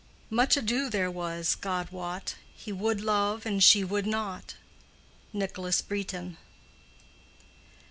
"Much adoe there was, God wot; He wold love and she wold not." —NICHOLAS BRETON.